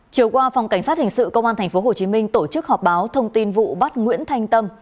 chiều qua phòng cảnh sát hình sự công an tp hcm tổ chức họp báo thông tin vụ bắt nguyễn thanh tâm